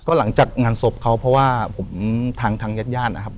หลังจากงานศพเขาเพราะว่าผมทางญาติญาตินะครับ